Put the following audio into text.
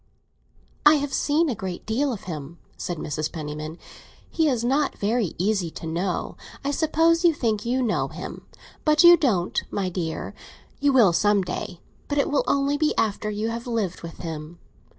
"I have seen a great deal of him," said Mrs. Penniman. "He is not very easy to know. I suppose you think you know him; but you don't, my dear. You will some day; but it will only be after you have lived with him.